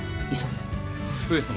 上様！